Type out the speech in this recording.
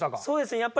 そうですね